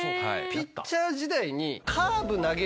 ピッチャー時代に。